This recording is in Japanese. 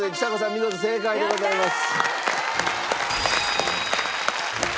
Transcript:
見事正解でございます。